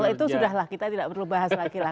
kalau itu sudah lah kita tidak perlu bahas lagi lah